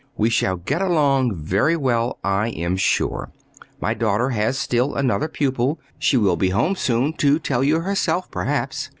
"We shall get along very well, I am sure. My daughter has still another pupil. She will be home soon to tell you herself, perhaps."